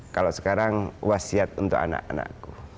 kalau sekarang wasiat untuk anak anakku